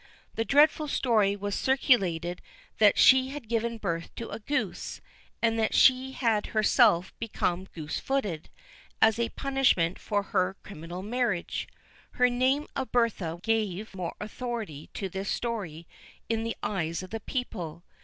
The dreadful story was circulated that she had given birth to a goose, and that she had herself become goose footed, as a punishment for her criminal marriage. Her name of Bertha gave more authority to this story in the eyes of the people.